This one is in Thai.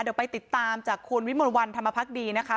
เดี๋ยวไปติดตามจากคุณวิมลวันธรรมพักดีนะคะ